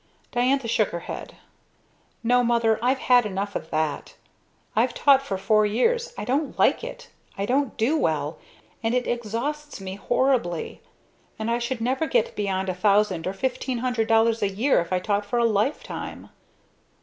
Diantha shook her head. "No, Mother, I've had enough of that. I've taught for four years. I don't like it, I don't do well, and it exhausts me horribly. And I should never get beyond a thousand or fifteen hundred dollars a year if I taught for a lifetime."